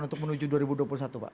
untuk menuju dua ribu dua puluh satu pak